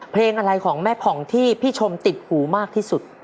เพลงอะไรของแม่ผ่องที่พี่ชมติดหูมากที่สุด